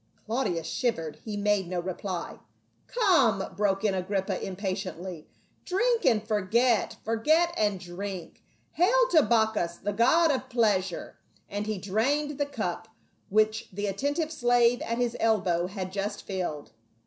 Claudius shivered ; he made no reply. " Come !" broke in Agrippa, impatiently. " Drink and forget — forget and drink ! Hail to Bacchus, the god of pleasure !" and he drained the cup which the attentive slave at his elbow had just filled.